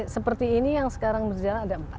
seperti ini yang sekarang berjalan ada empat